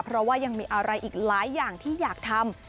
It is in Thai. เพราะว่ายังมีอะไรอีกหลายอย่างที่อยากทำ